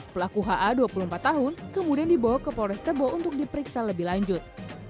pelaku ha dua puluh empat tahun kemudian dibawa ke polres tebo untuk diperiksa lebih lanjut